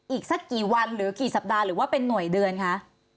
อีกสักกี่วันหรือกี่สัปดาห์หรือว่าเป็นหน่วยเดือนคะ